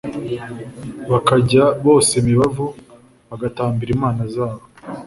bakajya bosa imibavu, bagatambira imana zabo